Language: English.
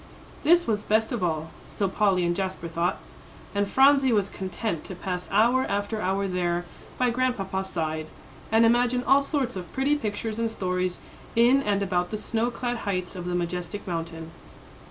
This was best of all so Polly and Jasper thought; and Phronsie was content to pass hour after hour there, by Grandpapa's side, and imagine all sorts of pretty pictures and stories in and about the snow clad heights of the majestic mountain.